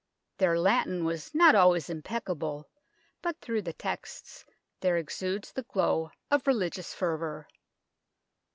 Their Latin was not always impeccable, but through the texts there exudes the glow of religious fervour.